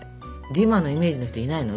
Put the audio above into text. デュマのイメージの人いないの？